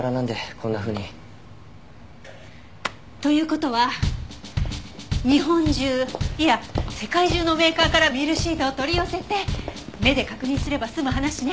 こんなふうに。という事は日本中いや世界中のメーカーからミルシートを取り寄せて目で確認すれば済む話ね。